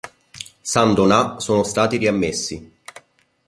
San Donà sono stati riammessi.